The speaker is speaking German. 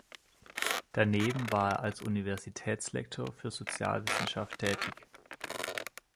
Daneben war er als Universitätslektor für Sozialwissenschaft tätig.